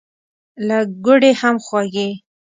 له ګوړې هم خوږې.